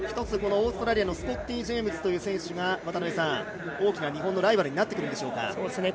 １つ、オーストラリアのスコッティ・ジェームズという選手が大きな日本のライバルになってくるでしょうか。